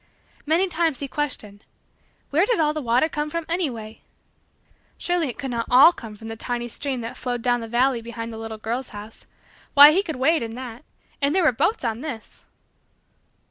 Many times, he questioned: "Where did all the water come from anyway?" Surely it could not all come from the tiny stream that flowed down the valley below the little girl's house! Why, he could wade in that and there were boats on this!